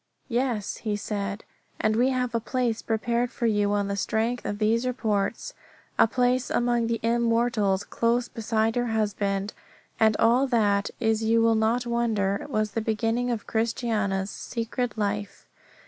Yes, he said, and we have a place prepared for you on the strength of these reports, a place among the immortals close beside your husband. And all that, as you will not wonder, was the beginning of Christiana's secret life.